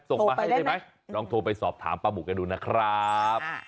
ส่งมาให้ได้ไหมลองโทรไปสอบถามป้าหมูกันดูนะครับ